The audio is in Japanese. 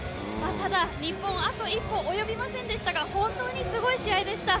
ただ、日本はあと一歩及びませんでしたが、本当にすごい試合でした。